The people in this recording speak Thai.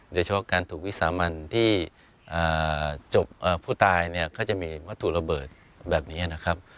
โดยเฉพาะการถูกวิสามันที่จบผู้ตายเนี่ยก็จะมีวัตถุระเบิดแบบนี้นะครับ